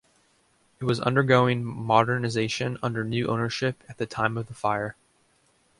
It was undergoing modernisation under new ownership at the time of the fire.